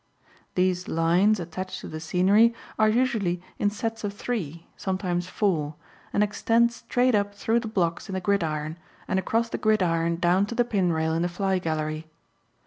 These lines attached to the scenery are usually in sets of three, sometimes four, and extend straight up through the blocks in the gridiron and across the gridiron down to the pin rail in the fly gallery.